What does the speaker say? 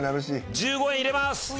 １５円入れます！